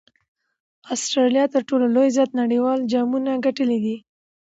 اسټراليا تر ټولو زیات نړۍوال جامونه ګټلي دي.